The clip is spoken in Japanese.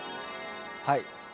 はい。